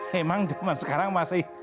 memang zaman sekarang masih